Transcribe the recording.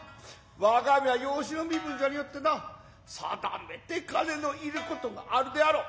我身も養子の身分じゃによってな定めて金の要る事があるであろう。